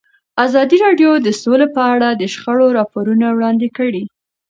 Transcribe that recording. ازادي راډیو د سوله په اړه د شخړو راپورونه وړاندې کړي.